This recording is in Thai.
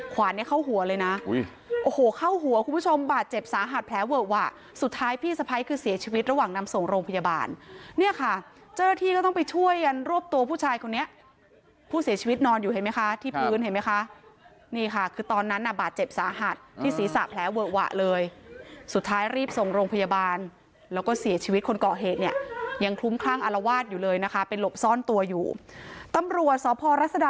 ส่งโรงพยาบาลเนี่ยค่ะเจ้าหน้าที่ก็ต้องไปช่วยกันรวบตัวผู้ชายคนนี้ผู้เสียชีวิตนอนอยู่เห็นไหมคะที่พื้นเห็นไหมคะนี่ค่ะคือตอนนั้นอ่ะบาดเจ็บสาหัสที่ศีรษะแผลเวอะหวะเลยสุดท้ายรีบส่งโรงพยาบาลแล้วก็เสียชีวิตคนเกาะเหตุเนี่ยยังคลุ้มคลั่งอารวาสอยู่เลยนะคะเป็นหลบซ่อนตัวอยู่ตำรวจสรั